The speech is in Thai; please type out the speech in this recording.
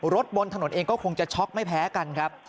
บนถนนเองก็คงจะช็อกไม่แพ้กันครับ